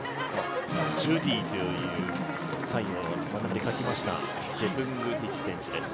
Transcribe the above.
ジュデイというサインを書きました、ジェプングティチ選手です。